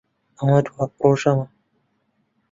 ئەمە دوا پرۆژەمە.